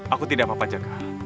aku tidak apa apa jaga